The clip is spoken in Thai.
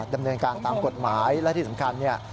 ดำเนินการตามกฎหมายและที่สำคัญเนี่ย